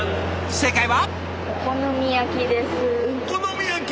正解は。